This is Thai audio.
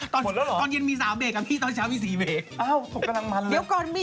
จริงด้วยหมดแล้วมี๓เบรกกับพี่มันตอนเช้าก็ลงไปไปก่อน